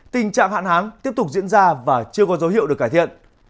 tình trạng hạn hán tiếp tục diễn ra và chưa có dấu hiệu được cải thiện